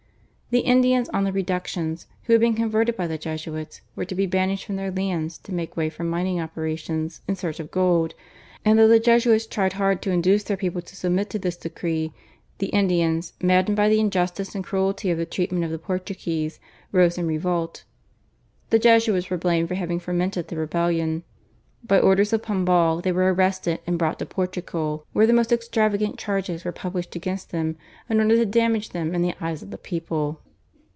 The Indians on the Reductions, who had been converted by the Jesuits, were to be banished from their lands to make way for mining operations in search of gold, and though the Jesuits tried hard to induce their people to submit to this decree, the Indians, maddened by the injustice and cruelty of the treatment of the Portuguese, rose in revolt. The Jesuits were blamed for having fomented the rebellion. By orders of Pombal they were arrested and brought to Portugal, where the most extravagant charges were published against them in order to damage them in the eyes of the people.